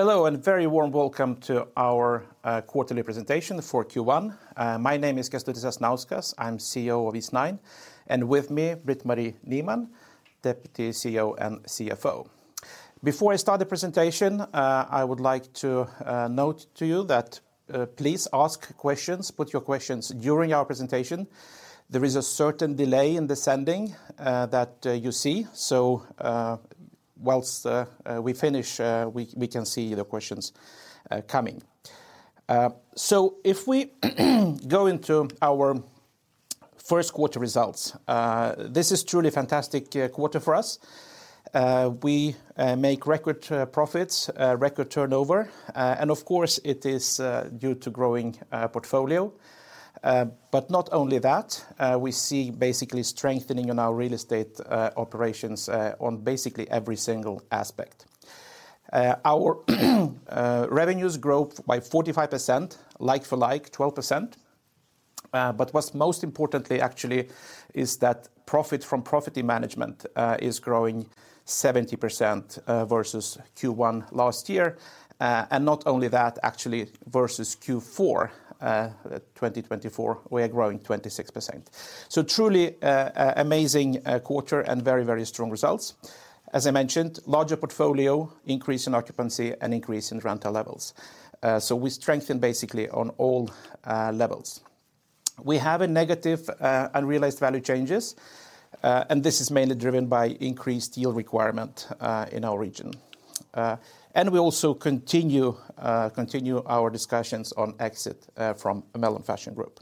Hello, very warm welcome to our quarterly presentation for Q1. My name is Kęstutis Sasnauskas, I'm CEO of Eastnine, and with me Britt-Marie Nyman, Deputy CEO and CFO. Before I start the presentation, I would like to note to you that please ask questions, put your questions during our presentation. There is a certain delay in the sending that you see. Whilst we finish, we can see the questions coming. If we go into our first quarter results, this is truly fantastic quarter for us. We make record profits, record turnover. Of course, it is due to growing portfolio. Not only that, we see basically strengthening in our real estate operations on basically every single aspect. Reveues grew by 45%, like-for-like 12%. But what's most importantly actually is that profit from property management, uh, is growing 70% versus Q1 last year. Not only that actually versus Q4 2022, we are growing 26%. So truly amazing quarter and very, very strong results. As I mentioned, larger portfolio, increase in occupancy, and increase in rental levels. So we strengthen basically on all levels. We have a negative unrealized value changes, and this is mainly driven by increased yield requirement in our region. And we also continue our discussions on exit from Melon Fashion Group.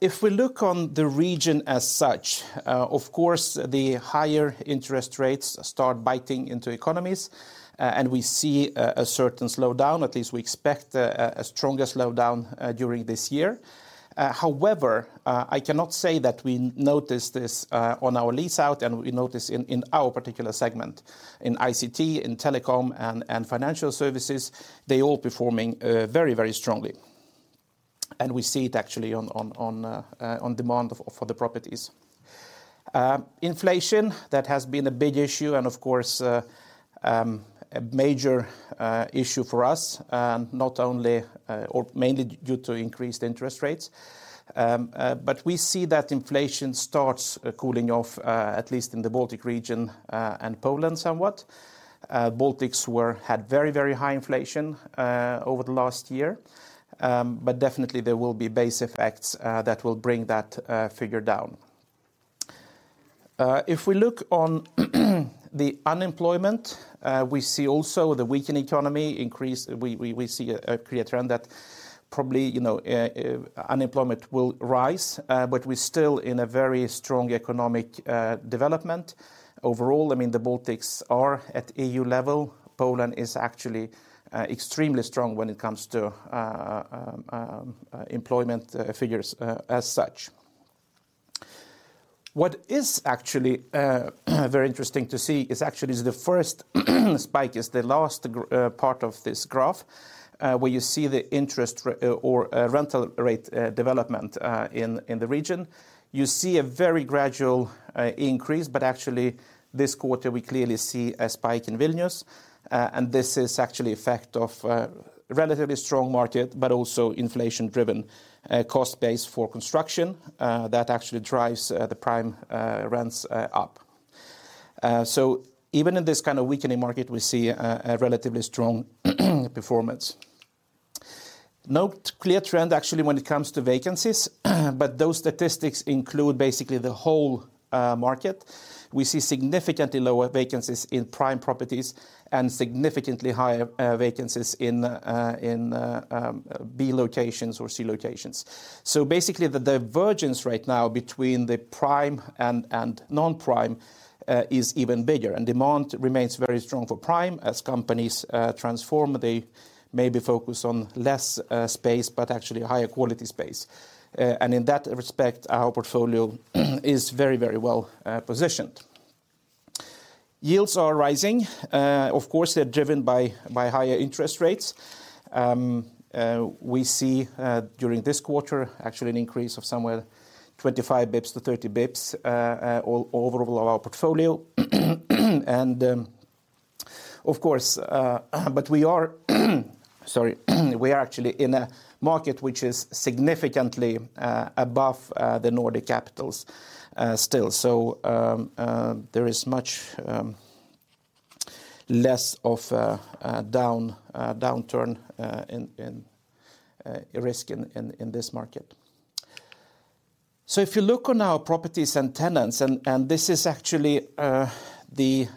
If we look on the region as such, of course, the higher interest rates start biting into economies. We see a certain slowdown, at least we expect a strongest slowdown during this year. However, I cannot say that we notice this on our lease out and we notice in our particular segment, in ICT, in telecom and financial services, they're all performing very, very strongly. We see it actually on demand for the properties. Inflation, that has been a big issue. Of course, a major issue for us, not only or mainly due to increased interest rates. We see that inflation starts cooling off at least in the Baltic region and Poland somewhat. Baltics were... had very, very high inflation over the last year. Definitely there will be base effects that will bring that figure down. If we look on the unemployment, we see also the weakened economy increase. We see a clear trend that probably, you know, unemployment will rise. We're still in a very strong economic development. Overall, I mean, the Baltics are at EU level. Poland is actually extremely strong when it comes to employment figures as such. What is actually very interesting to see is actually the first spike is the last part of this graph, where you see the interest or rental rate development in the region. You see a very gradual increase, but actually this quarter we clearly see a spike in Vilnius. This is actually effect of relatively strong market, but also inflation-driven cost base for construction that actually drives the prime rents up. Even in this kind of weakening market, we see a relatively strong performance. No clear trend actually when it comes to vacancies, but those statistics include basically the whole market. We see significantly lower vacancies in prime properties and significantly higher vacancies in B locations or C locations. Basically the divergence right now between the prime and non-prime is even bigger, and demand remains very strong for prime. As companies transform, they maybe focus on less space, but actually higher quality space. In that respect, our portfolio is very well positioned. Yields are rising. Of course, they're driven by higher interest rates. We see during this quarter actually an increase of somewhere 25 basis points to 30 basis points overall of our portfolio. Of course, but we are sorry. We are actually in a market which is significantly above the Nordic capitals still. There is much less of a downturn in risk in this market. If you look on our properties and tenants, this is actually the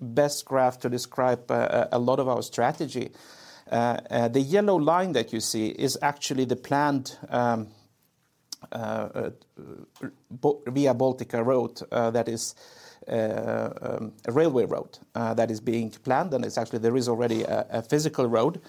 best graph to describe a lot of our strategy. The yellow line that you see is actually the planned Via Baltica road, that is a railway road, that is being planned, and it's actually there is already a physical road.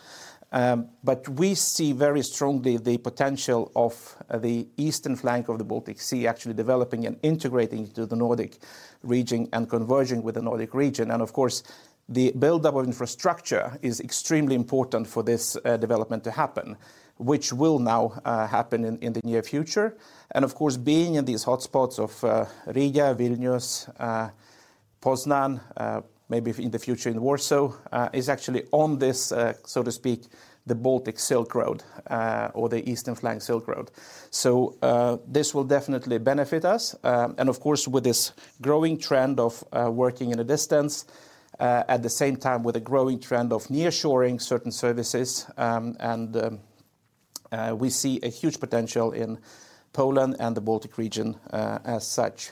We see very strongly the potential of the eastern flank of the Baltic Sea actually developing and integrating into the Nordic region and converging with the Nordic region. Of course, the build-up of infrastructure is extremely important for this development to happen, which will now happen in the near future. Of course, being in these hotspots of Riga, Vilnius, Poznań, maybe in the future in Warsaw, is actually on this, so to speak, the Baltic Silk Road, or the Eastern Flank Silk Road. This will definitely benefit us. Of course, with this growing trend of working at a distance, at the same time with a growing trend of nearshoring certain services, we see a huge potential in Poland and the Baltic region as such.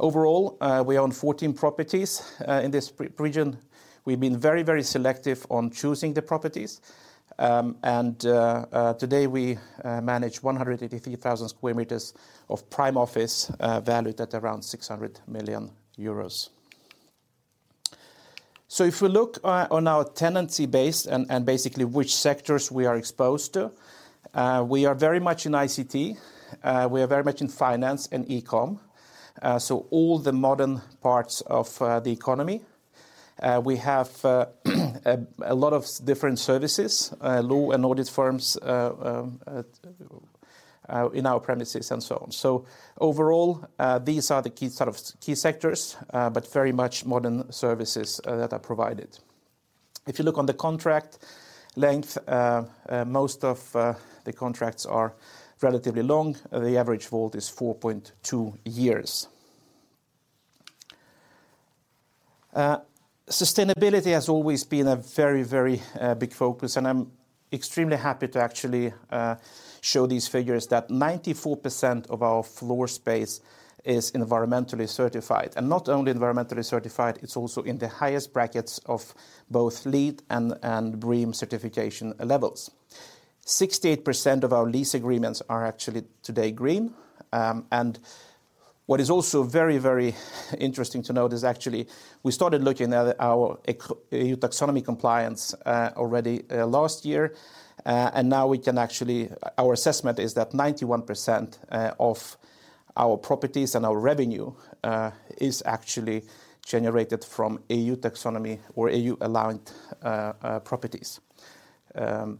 Overall, we own 14 properties in this region. We've been very, very selective on choosing the properties. Today we manage 183,000 square meters of prime office, valued at around 600 million euros. If we look on our tenancy base and basically which sectors we are exposed to, we are very much in ICT, we are very much in finance and e-com. All the modern parts of the economy. We have a lot of different services, law and audit firms, in our premises and so on. Overall, these are the key sectors, but very much modern services that are provided. If you look on the contract length, most of the contracts are relatively long. The average WALT is 4.2 years. Sustainability has always been a very big focus, and I'm extremely happy to actually show these figures that 94% of our floor space is environmentally certified. Not only environmentally certified, it's also in the highest brackets of both LEED and BREEAM certification levels. 68% of our lease agreements are actually today green. What is also very, very interesting to note is actually we started looking at our EU Taxonomy compliance already last year. Now we can actually... Our assessment is that 91% of our properties and our revenue is actually generated from EU Taxonomy or EU-aligned properties. We are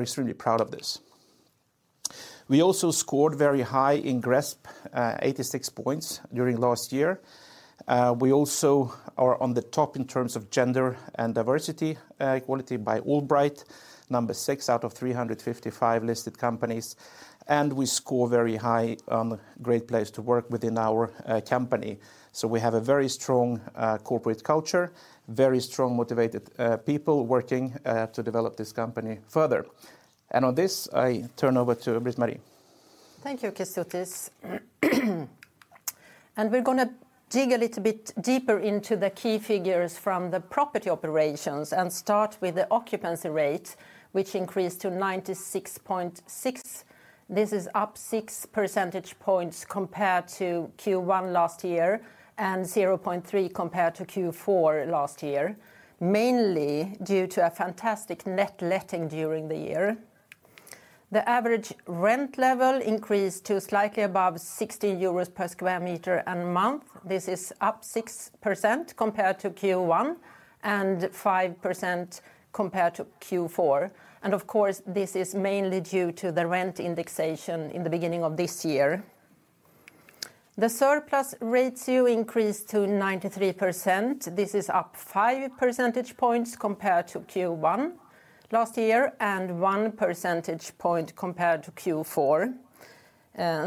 extremely proud of this. We also scored very high in GRESB, 86 points during last year. We also are on the top in terms of gender and diversity equality by Allbright, number six out of 355 listed companies. We score very high on Great Place To Work within our company. We have a very strong corporate culture, very strong, motivated people working to develop this company further. On this, I turn over to Britt-Marie. Thank you, Kęstutis. We're gonna dig a little bit deeper into the key figures from the property operations and start with the occupancy rate, which increased to 96.6. This is up 6 percentage points compared to Q1 last year and 0.3 compared to Q4 last year, mainly due to a fantastic net letting during the year. The average rent level increased to slightly above 60 euros per square meter a month. This is up 6% compared to Q1 and 5% compared to Q4. Of course, this is mainly due to the rent indexation in the beginning of this year. The surplus rates here increased to 93%. This is up 5 percentage points compared to Q1 last year and 1 percentage point compared to Q4.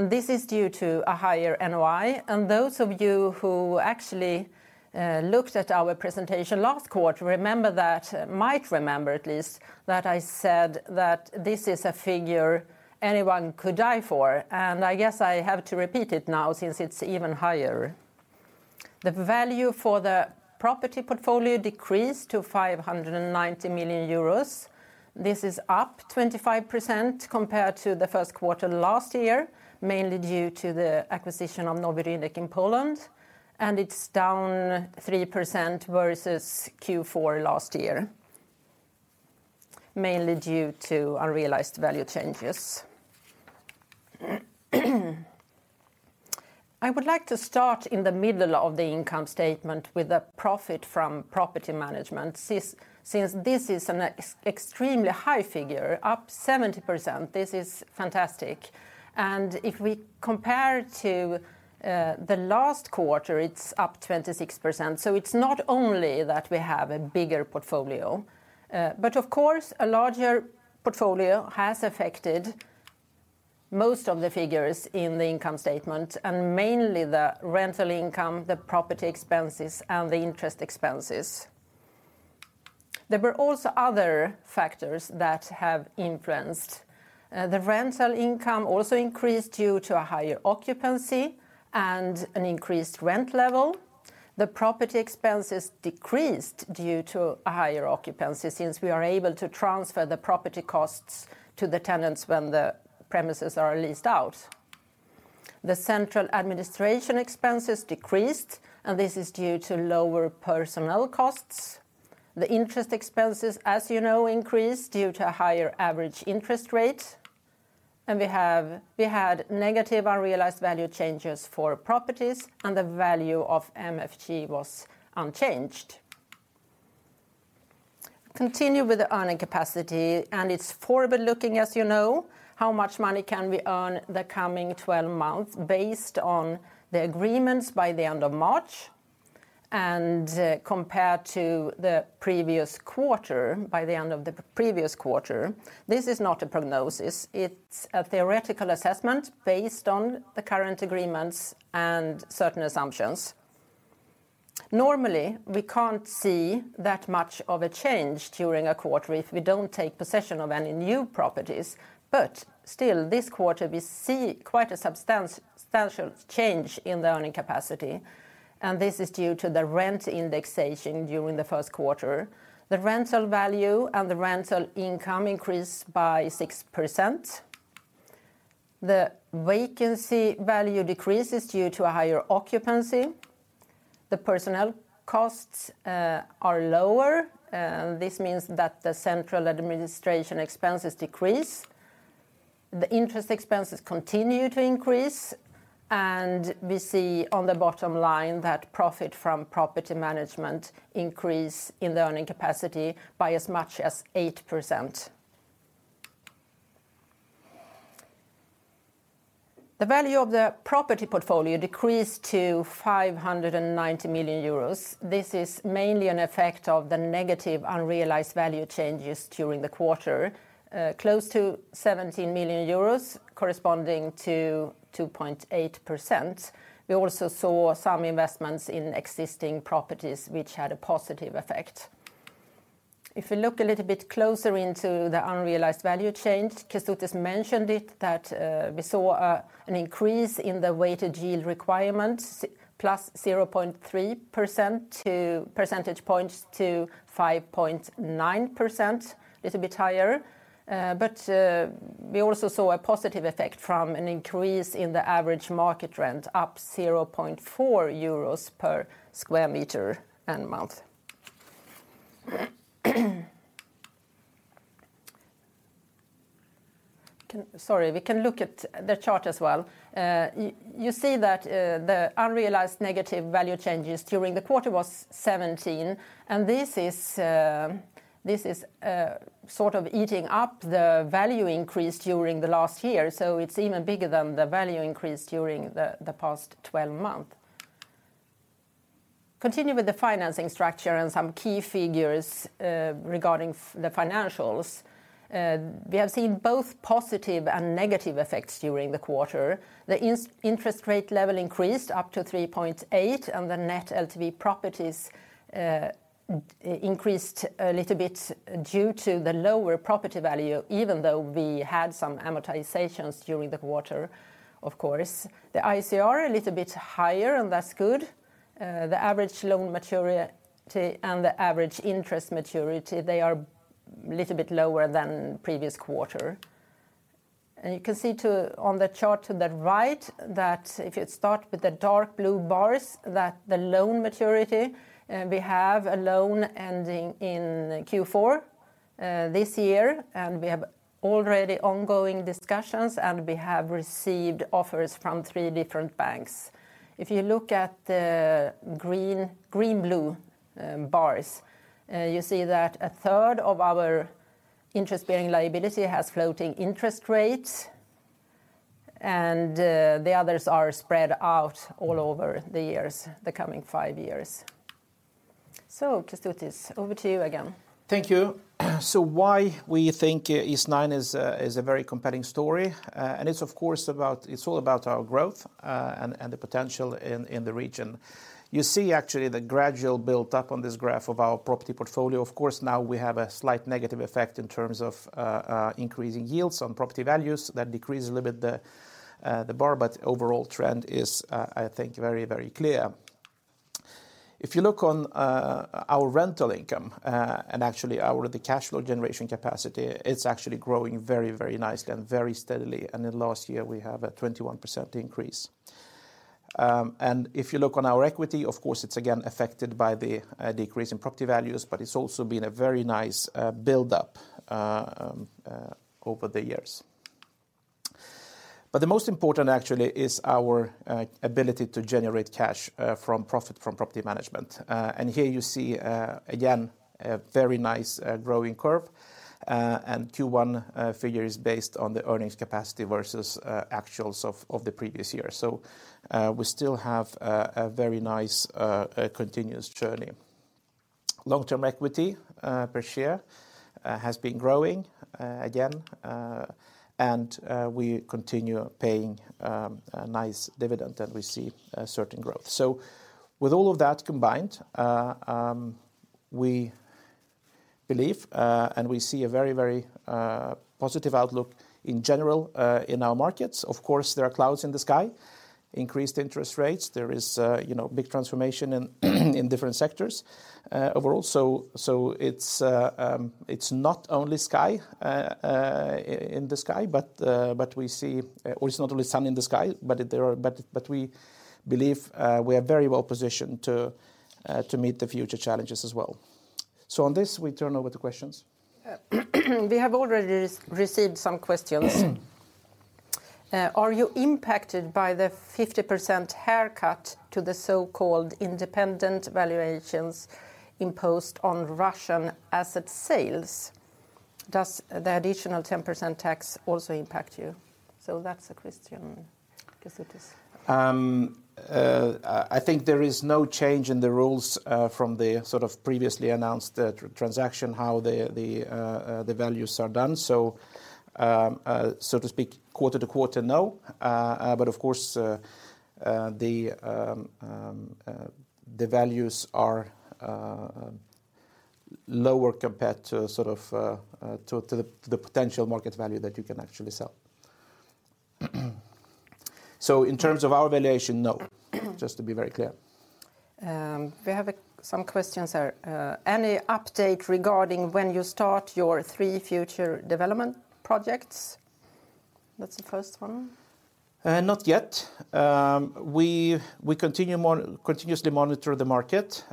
This is due to a higher NOI. Those of you who actually looked at our presentation last quarter remember that, might remember at least, that I said that this is a figure anyone could die for. I guess I have to repeat it now since it's even higher. The value for the property portfolio decreased to 590 million euros. This is up 25% compared to the first quarter last year, mainly due to the acquisition of Nowy Rynek in Poland. It's down 3% versus Q4 last year, mainly due to unrealized value changes. I would like to start in the middle of the income statement with the profit from property management, since this is an extremely high figure, up 70%. This is fantastic. If we compare to the last quarter, it's up 26%. It's not only that we have a bigger portfolio. Of course, a larger portfolio has affected most of the figures in the income statement, and mainly the rental income, the property expenses, and the interest expenses. There were also other factors that have influenced. The rental income also increased due to a higher occupancy and an increased rent level. The property expenses decreased due to a higher occupancy since we are able to transfer the property costs to the tenants when the premises are leased out. The central administration expenses decreased, and this is due to lower personnel costs. The interest expenses, as you know, increased due to higher average interest rates. We had negative unrealized value changes for properties, and the value of MFG was unchanged. Continue with the earning capacity. It's forward-looking, as you know, how much money can we earn the coming 12 months based on the agreements by the end of March and compared to the previous quarter, by the end of the previous quarter. This is not a prognosis. It's a theoretical assessment based on the current agreements and certain assumptions. Normally, we can't see that much of a change during a quarter if we don't take possession of any new properties. Still this quarter we see quite a substantial change in the earning capacity, and this is due to the rent indexation during the first quarter. The rental value and the rental income increased by 6%. The vacancy value decreases due to a higher occupancy. The personnel costs are lower, and this means that the central administration expenses decrease. The interest expenses continue to increase, and we see on the bottom line that profit from property management increase in the earning capacity by as much as 8%. The value of the property portfolio decreased to 590 million euros. This is mainly an effect of the negative unrealized value changes during the quarter, close to 17 million euros corresponding to 2.8%. We also saw some investments in existing properties which had a positive effect. If you look a little bit closer into the unrealized value change, Kęstutis mentioned it, that we saw an increase in the weighted yield requirement plus 0.3 percentage points to 5.9%, little bit higher. We also saw a positive effect from an increase in the average market rent up 0.4 euros per square meter and month. Sorry, we can look at the chart as well. You see that the unrealized negative value changes during the quarter was 17, and this is sort of eating up the value increase during the last year. It's even bigger than the value increase during the past 12 month. Continue with the financing structure and some key figures regarding the financials. We have seen both positive and negative effects during the quarter. The interest rate level increased up to 3.8, and the net LTV properties increased a little bit due to the lower property value even though we had some amortizations during the quarter, of course. The ICR a little bit higher. That's good. The average loan maturity and the average interest maturity, they are little bit lower than previous quarter. You can see too on the chart to the right that if you start with the dark blue bars, that the loan maturity, we have a loan ending in Q4 this year, and we have already ongoing discussions, and we have received offers from three different banks. If you look at the green-blue bars, you see that a third of our interest-bearing liability has floating interest rates, and the others are spread out all over the years, the coming five years. Kęstutis, over to you again. Thank you. Why we think Eastnine is a very compelling story, and it's all about our growth, and the potential in the region. You see actually the gradual build-up on this graph of our property portfolio. Of course, now we have a slight negative effect in terms of increasing yields on property values that decrease a little bit the bar, but the overall trend is, I think very, very clear. If you look on our rental income, and actually the cash flow generation capacity, it's actually growing very, very nicely and very steadily. In last year we have a 21% increase. If you look on our equity, of course, it's again affected by the decrease in property values, but it's also been a very nice build-up over the years. The most important actually is our ability to generate cash from profit from property management. Here you see again, a very nice growing curve, and Q1 figure is based on the earnings capacity versus actuals of the previous year. We still have a very nice continuous journey. Long-term equity per share has been growing again, and we continue paying a nice dividend, and we see a certain growth. With all of that combined, we believe, and we see a very positive outlook in general, in our markets. Of course, there are clouds in the sky. Increased interest rates. There is, you know, big transformation in different sectors, overall. It's not only sky in the sky, but we see... Well, it's not only sun in the sky, but there are... We believe, we are very well positioned to meet the future challenges as well. On this, we turn over to questions. We have already received some questions. Are you impacted by the 50% haircut to the so-called independent valuations imposed on Russian asset sales? Does the additional 10% tax also impact you? That's a question, I guess it is. I think there is no change in the rules from the sort of previously announced transaction how the values are done. So to speak, quarter to quarter, no. Of course, the values are lower compared to sort of to the potential market value that you can actually sell. In terms of our valuation, no, just to be very clear. We have a, some questions here. Any update regarding when you start your three future development projects? That's the first one. Not yet. We continue continuously monitor the market.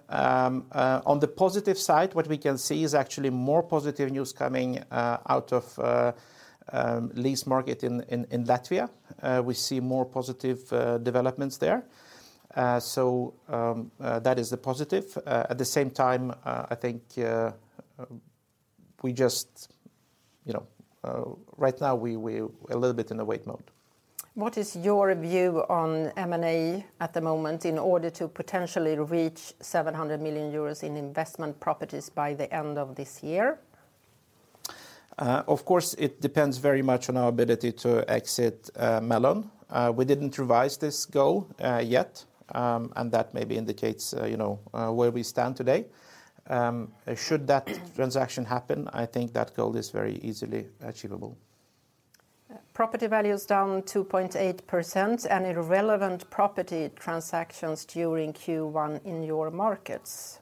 On the positive side, what we can see is actually more positive news coming out of lease market in Latvia. We see more positive developments there. That is a positive. At the same time, I think, we just, you know, right now we a little bit in a wait mode. What is your view on M&A at the moment in order to potentially reach 700 million euros in investment properties by the end of this year? Of course, it depends very much on our ability to exit Melon. We didn't revise this goal yet. That maybe indicates, you know, where we stand today. Should that transaction happen, I think that goal is very easily achievable. Property value is down 2.8%. Any relevant property transactions during Q1 in your markets?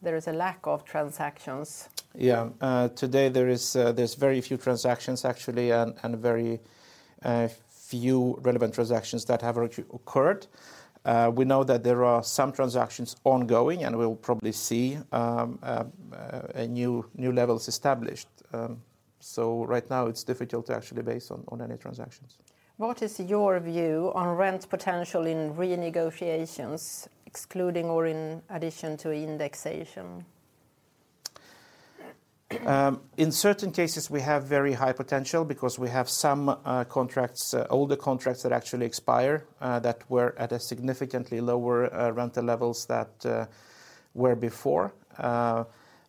There is a lack of transactions. Yeah. Today, there's very few transactions actually, and very few relevant transactions that have actually occurred. We know that there are some transactions ongoing, and we'll probably see a new levels established. Right now, it's difficult to actually base on any transactions. What is your view on rent potential in renegotiations, excluding or in addition to indexation? In certain cases, we have very high potential because we have some contracts, older contracts that actually expire that were at a significantly lower rental levels that were before.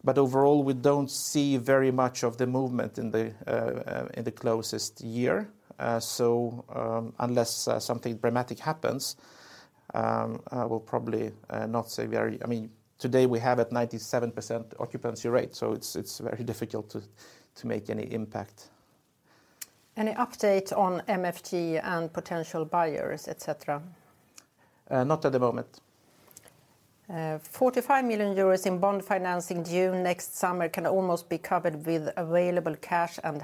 Overall, we don't see very much of the movement in the closest year. Unless something dramatic happens, I mean, today we have at 97% occupancy rate, so it's very difficult to make any impact. Any update on MFG and potential buyers, et cetera? Not at the moment. 45 million euros in bond financing due next summer can almost be covered with available cash at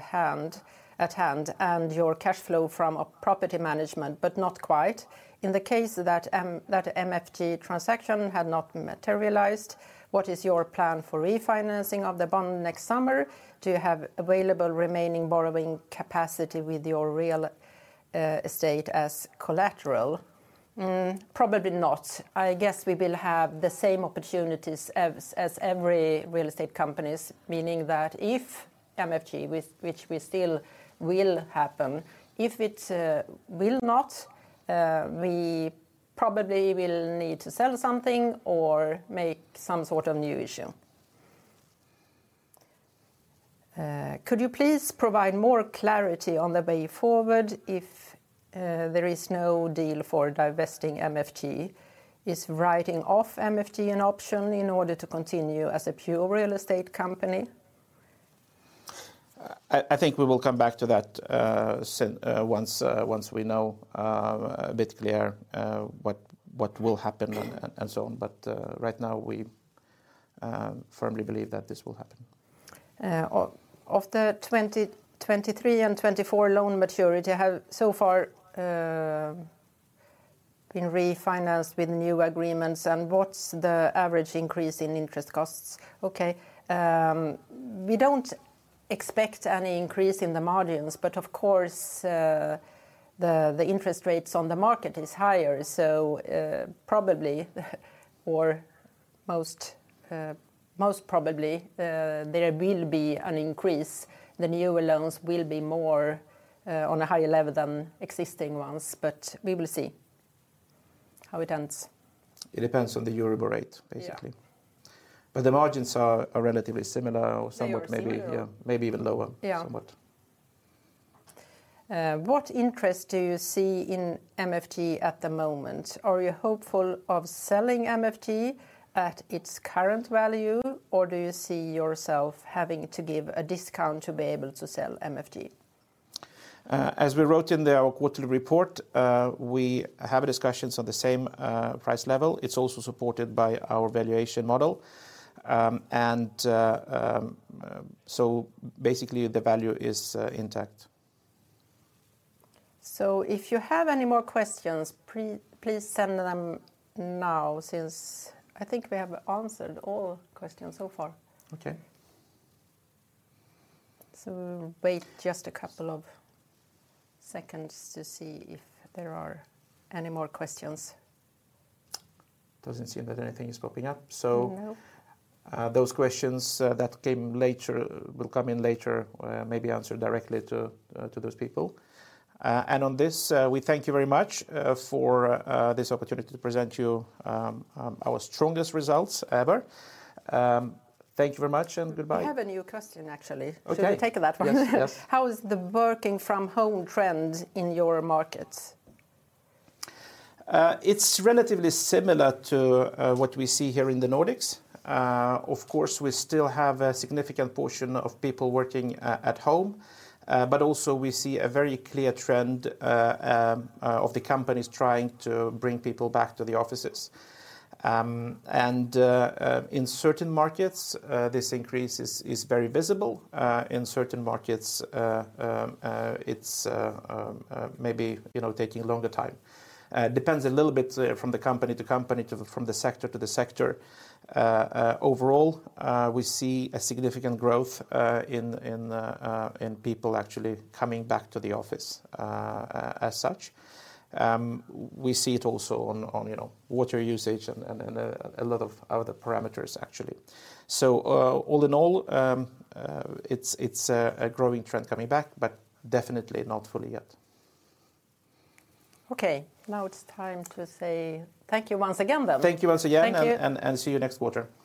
hand, and your cash flow from a property management, not quite. In the case that MFG transaction had not materialized, what is your plan for refinancing of the bond next summer to have available remaining borrowing capacity with your real estate as collateral? Probably not. I guess we will have the same opportunities as every real estate companies, meaning that if MFG, which we still will happen, if it will not, we probably will need to sell something or make some sort of new issue. Could you please provide more clarity on the way forward if there is no deal for divesting MFG? Is writing off MFG an option in order to continue as a pure real estate company? I think we will come back to that, once we know, a bit clear, what will happen and so on. Right now, we firmly believe that this will happen. Of the 2023 and 2024 loan maturity have so far been refinanced with new agreements, and what's the average increase in interest costs? Okay. We don't expect any increase in the margins, of course, the interest rates on the market is higher. Probably or most probably, there will be an increase. The newer loans will be more on a higher level than existing ones, but we will see how it ends. It depends on the Euro rate, basically. Yeah. The margins are relatively similar. Very similar.... maybe, yeah, maybe even lower- Yeah... somewhat. What interest do you see in MFG at the moment? Are you hopeful of selling MFG at its current value, or do you see yourself having to give a discount to be able to sell MFG? As we wrote in our quarterly report, we have discussions on the same price level. It's also supported by our valuation model. So basically, the value is intact. If you have any more questions, please send them now since I think we have answered all questions so far. Okay. Wait just a couple of seconds to see if there are any more questions. Doesn't seem that anything is popping up. No. Those questions that came later, will come in later, may be answered directly to those people. On this, we thank you very much for this opportunity to present you our strongest results ever. Thank you very much, and goodbye. We have a new question, actually. Okay. Should we take that one? Yes, yes. How is the working-from-home trend in your markets? It's relatively similar to what we see here in the Nordics. Of course, we still have a significant portion of people working at home. Also we see a very clear trend of the companies trying to bring people back to the offices. In certain markets, this increase is very visible. In certain markets, it's maybe, you know, taking a longer time. It depends a little bit from the company to company, from the sector to the sector. Overall, we see a significant growth in people actually coming back to the office as such. We see it also on, you know, water usage and a lot of other parameters, actually. All in all, it's a growing trend coming back, but definitely not fully yet. Okay. Now it's time to say thank you once again then. Thank you once again. Thank you. See you next quarter. Bye.